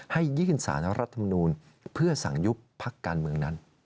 ยื่นสารรัฐมนูลเพื่อสั่งยุบพักการเมืองนั้น